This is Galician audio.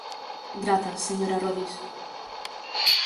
Grazas, señora Rodís.